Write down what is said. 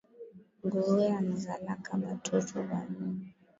Nguruwe anazalaka ba toto ba mingi